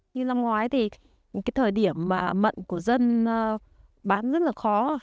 như năm ngoái thì cái thời điểm mận của dân bán rất là khó